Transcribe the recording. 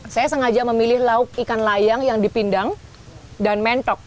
saya sengaja memilih lauk ikan layang yang dipindang dan mentok